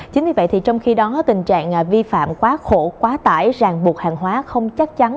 chính vì vậy thì trong khi đó tình trạng vi phạm quá khổ quá tải ràng buộc hàng hóa không chắc chắn